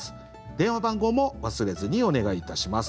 電話番号も忘れずにお願いいたします。